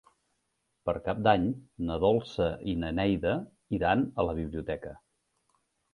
Per Cap d'Any na Dolça i na Neida iran a la biblioteca.